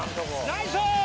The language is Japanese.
ナイス！